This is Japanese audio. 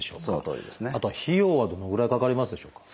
あとは費用はどのぐらいかかりますでしょうか？